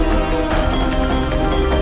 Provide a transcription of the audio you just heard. aku akan terus memburumu